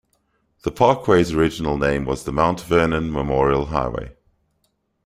The parkway's original name was the Mount Vernon Memorial Highway.